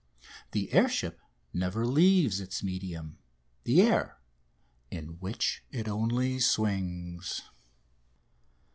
The air ship never leaves its medium the air in which it only swings.